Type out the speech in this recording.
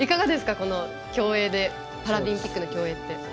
このパラリンピックの競泳って。